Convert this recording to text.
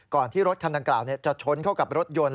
ที่รถคันดังกล่าวจะชนเข้ากับรถยนต์